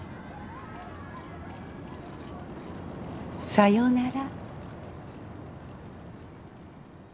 さよなら。